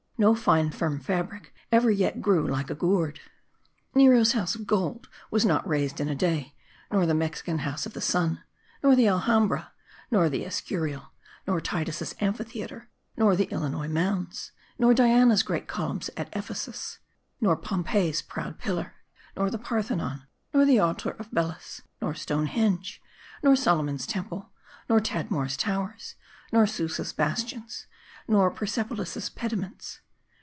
No fine firm fabric ever yet grew like a gourd. Nero's House of Gold was not raised in a day ; nor the Mexican House of the Sun ; nor the Al hambra ; nor the Escurial ; nor Titus' s Amphitheater ; nor the Illinois Mounds ; nor Diana's great columns at Ephesus ; nor Pompey's proud Pillar ; nor the Parthenon ; nor the Altar of Belus ; nor Stonehenge ; nor Solomon's Temple ; nor Tadmor's towers ; nor Susa's bastions ; nor Persepolis' pediments.